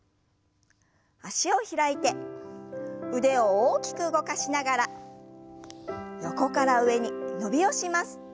脚を開いて腕を大きく動かしながら横から上に伸びをします。